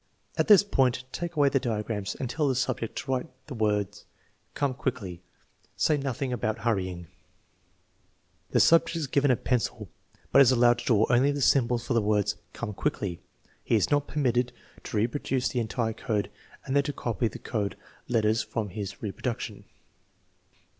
At this point, take away the diagrams and tell the subject to write the words come quickly. Say nothing about hurrying. AVERAGE ADULT, C 331 The subject is given a pencil, but is allowed to draw only the symbols for the words come quickly. He is not permitted to reproduce the entire code and then to copy the code let ters from his reproduction.